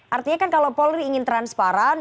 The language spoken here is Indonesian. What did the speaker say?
artinya kan kalau polri ingin transparan